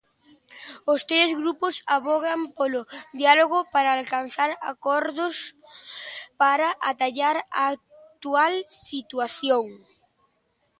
Os tres grupos avogan polo diálogo para alcanzar acordos para atallar a actual situación.